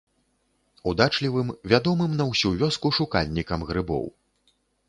Удачлівым, вядомым на ўсю вёску шукальнікам грыбоў.